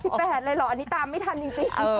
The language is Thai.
เลยเหรออันนี้ตามไม่ทันจริง